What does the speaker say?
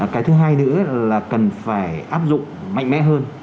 cái thứ hai nữa là cần phải áp dụng mạnh mẽ hơn